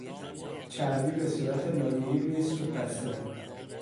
چربی به صورت لایهای روی سوپ بسته بود.